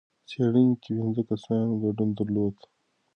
څېړنې کې پنځه کسانو ګډون درلود.